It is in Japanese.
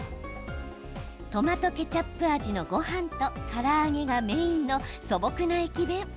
トマトケチャップ味のごはんとから揚げがメインの素朴な駅弁。